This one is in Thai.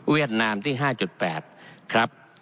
เวียดนามที่๕๘ครับ